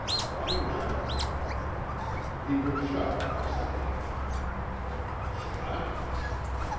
"Why not?" "He was shot last night." "Shot?"